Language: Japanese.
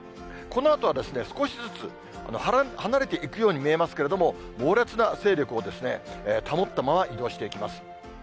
このあとは少しずつ、離れていくように見えますけれども、猛烈な勢力を保ったまま移動していきます。